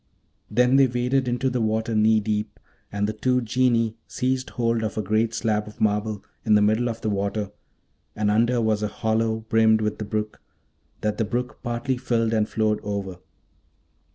Then they waded into the water knee deep, and the two Genii seized hold of a great slab of marble in the middle of the water, and under was a hollow brimmed with the brook, that the brook partly filled and flowed over.